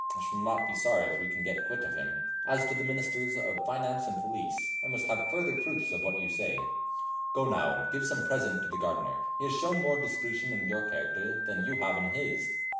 I shall not be sorry if we can get quit of him. As to the Ministers of Finance and Police. I must have further proofs of what you say. Go now, and give some present to the gardener. He has shown more discretion in your character than you have in his."